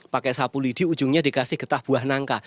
pakai sapu lidi ujungnya dikasih getah buah nangka